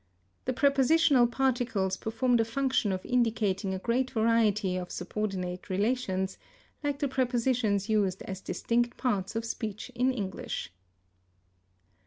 The prepositional particles perform the function of indicating a great variety of subordinate relations, like the prepositions used as distinct parts of speech in English.